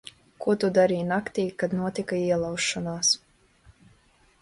Ko tu darīji naktī, kad notika ielaušanās?